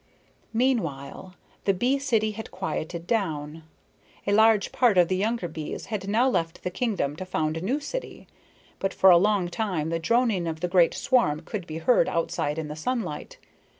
Meanwhile the bee city had quieted down. A large part of the younger bees had now left the kingdom to found a new city; but for a long time the droning of the great swarm could be heard outside in the sunlight.